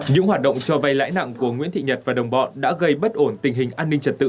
những hoạt động cho vay lãi nặng của nguyễn thị nhật và đồng bọn đã gây bất ổn tình hình an ninh trật tự